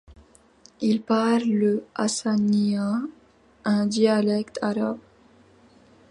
Ils parlent le hassaniyya, un dialecte arabe.